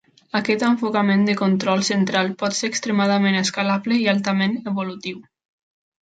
Aquest enfocament de control central pot ser extremadament escalable i altament evolutiu.